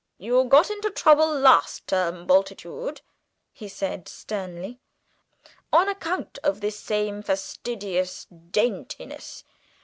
"You got into trouble last term, Bultitude," he said sternly, "on account of this same fastidious daintiness.